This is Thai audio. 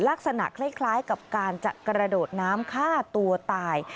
ลักษณะคล้ายกับการจะกระโดดน้ำฆ่าตัวตาย